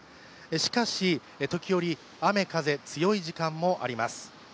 しかし、時折、雨風強い時間帯もあります。